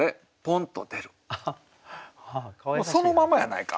「そのままやないか！」